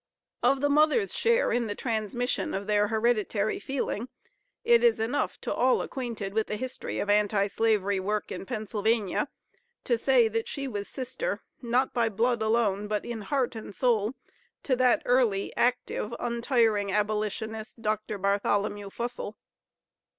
Of the mother's share in the transmission of their hereditary feeling, it is enough, to all acquainted with the history of Anti slavery work in Pennsylvania, to say that she was sister, not by blood alone, but in heart and soul, to that early, active, untiring abolitionist, Dr. Bartholomew Fussell.